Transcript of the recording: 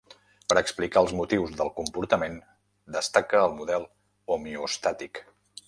Per a explicar els motius del comportament destaca el model homeostàtic.